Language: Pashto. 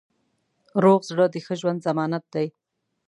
روغ زړه د ښه ژوند ضمانت دی.